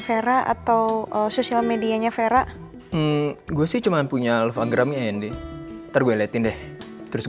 fira atau sosial medianya fira gua sih cuman punya love agrami ndi tar gue liatin deh terus